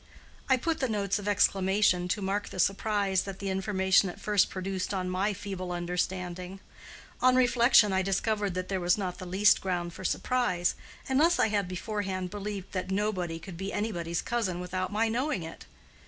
I put the notes of exclamation to mark the surprise that the information at first produced on my feeble understanding. On reflection I discovered that there was not the least ground for surprise, unless I had beforehand believed that nobody could be anybody's cousin without my knowing it.